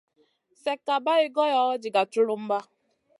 Slèkka bày goyo diga culumba.